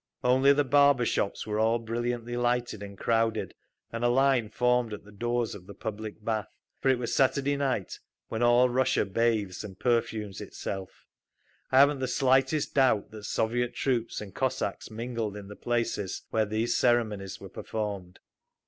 Only the barber shops were all brilliantly lighted and crowded, and a line formed at the doors of the public bath; for it was Saturday night, when all Russia bathes and perfumes itself. I haven't the slightest doubt that Soviet troops and Cossacks mingled in the places where these ceremonies were performed.